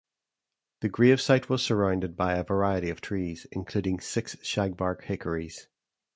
The grave site was surrounded by a variety of trees, including six shagbark hickories.